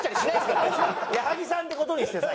矢作さんって事にしてさ。